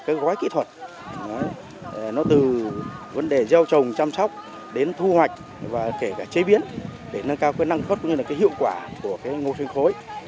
các gói kỹ thuật nó từ vấn đề gieo trồng chăm sóc đến thu hoạch và kể cả chế biến để nâng cao cơ năng tốt như là cái hiệu quả của ngô sinh khối